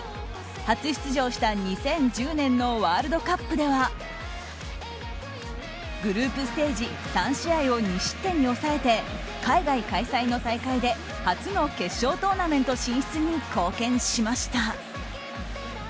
初出場した２０１０年のワールドカップではグループステージ３試合を２失点に抑えて海外開催の大会で初の決勝トーナメント進出に貢献しました。